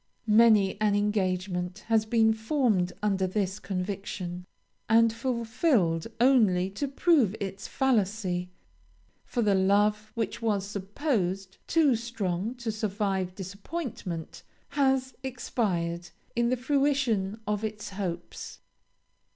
Many an engagement has been formed under this conviction, and fulfilled only to prove its fallacy, for the love which was supposed too strong to survive disappointment, has expired in the fruition of its hopes.